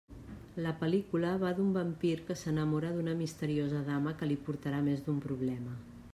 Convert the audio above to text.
La pel·lícula va d'un vampir que s'enamora d'una misteriosa dama que li portarà més d'un problema.